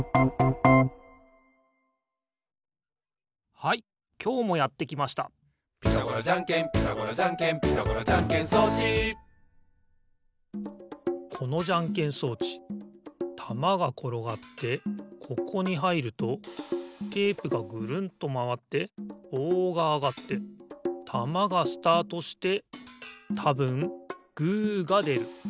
はいきょうもやってきました「ピタゴラじゃんけんピタゴラじゃんけん」「ピタゴラじゃんけん装置」このじゃんけん装置たまがころがってここにはいるとテープがぐるんとまわってぼうがあがってたまがスタートしてたぶんグーがでる。